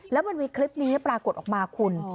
แล้วมันมีคลิปนี้ปรากฏออกมาคุณ